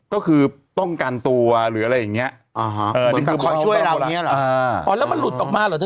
ก็คือต้องการตัวหรืออะไรอย่างเงี้ยอ๋อแล้วมันหลุดออกมาหรอ